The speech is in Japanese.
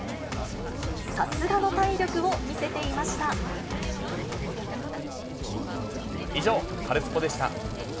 さすがの体力を見せていまし以上、カルスポっ！でした。